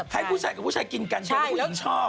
ให้ผู้ชายกับผู้ชายกินกันเชื่อว่าผู้หญิงชอบ